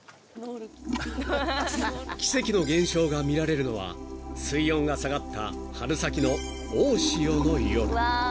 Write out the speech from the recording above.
［奇跡の現象が見られるのは水温が下がった春先の大潮の夜］